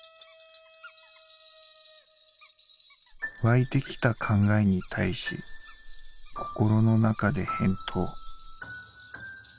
「湧いてきた考えに対し心の中で返答」。